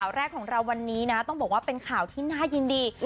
แรกของเราวันนี้นะต้องบอกว่าเป็นข่าวที่น่ายินดี